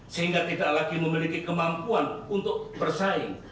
sehingga tidak lagi memiliki kemampuan untuk bersaing